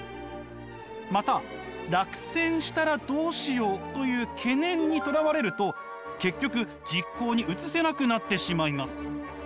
また落選したらどうしようという懸念にとらわれると結局実行に移せなくなってしまいます。